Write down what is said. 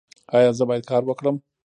ایا زه باید کار وکړم؟